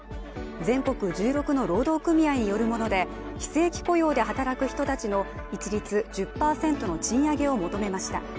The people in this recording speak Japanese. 全国１６の労働組合によるもので非正規雇用で働く人たちの一律１０％の賃上げを求めました。